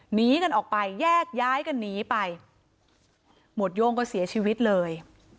หนีกันออกไปแยกย้ายกันหนีไปหมวดโย่งก็เสียชีวิตเลย